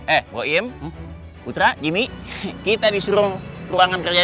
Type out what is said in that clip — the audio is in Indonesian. eh boim putra jimmy kita disuruh ke ruangan kerjanya pak bos sekarang ya